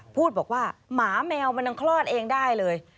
พูดบอกว่าหมาแมวมันยังคลอดเองได้เลย